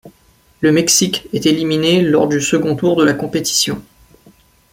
Le Mexique est éliminé lors du second tour de la compétition.